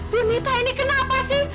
bu nita ini kenapa sih